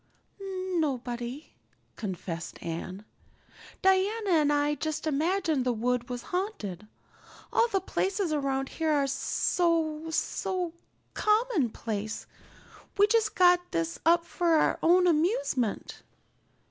"Nobody," confessed Anne. "Diana and I just imagined the wood was haunted. All the places around here are so so commonplace. We just got this up for our own amusement.